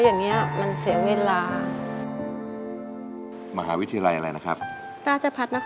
อย่างเงี้ยมันเสียเวลา